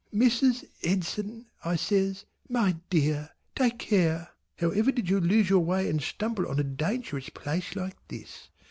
"Mrs. Edson!" I says "My dear! Take care. How ever did you lose your way and stumble on a dangerous place like this?